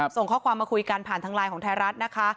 ส่งข้อความมาคุยกันผ่านทางไลน์ของไทยรัฐนะคะ